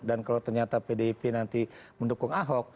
dan kalau ternyata pdip nanti mendukung ahok